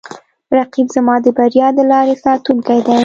رقیب زما د بریا د لارې ساتونکی دی